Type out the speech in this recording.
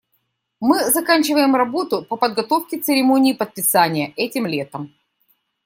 Мы заканчиваем работу по подготовке церемонии подписания этим летом.